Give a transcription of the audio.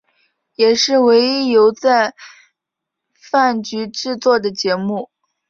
也是唯一由在阪局制作的节目。